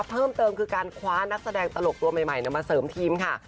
เพิ่มเติมคือการคว้านักแสดงตลกตัวใหม่มาเสริมทีมค่ะ